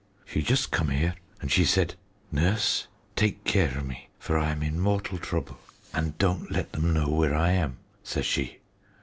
She just come 'ere an' she said, 'Nurse, take care of me, for I am in mortal trouble. And don't let them know where I am,' says she.